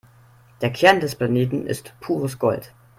Der Kern des Planeten ist pures Gold.